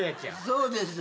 そうです。